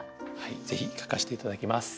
ぜひ書かせて頂きます。